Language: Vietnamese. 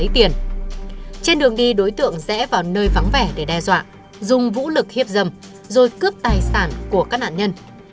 riêng với đối tượng này thì xaden quiere